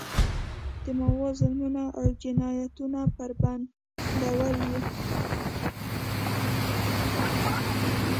د ماوو ظلمونه او جنایتونه بربنډول یې.